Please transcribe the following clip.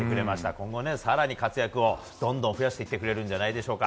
今後、更に活躍をどんどん増やしていってくれるんじゃないでしょうか。